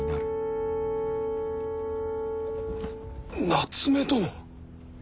夏目殿。